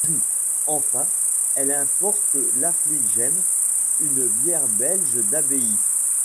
Enfin, elle importe l'Affligem une bière belge d'abbaye.